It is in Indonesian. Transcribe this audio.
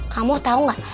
kamu tahu nggak